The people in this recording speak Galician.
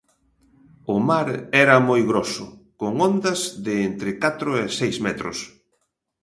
O mar era moi groso, con ondas de entre catro e seis metros.